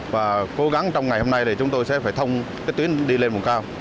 và cố gắng trong ngày hôm nay chúng tôi sẽ phải thông tuyến đi lên vùng cao